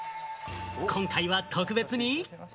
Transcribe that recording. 今回は特別に。